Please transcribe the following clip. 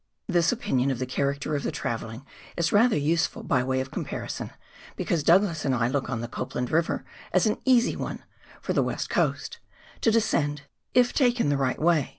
This opinion of the character of the travelling is rather useful by way of comparison, because Douglas and I look on the Copland River as an easy one — for the West Coast — to descend, (/' taken the right way.